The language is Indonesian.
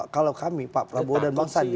kalau kami pak prabowo dan bang sandi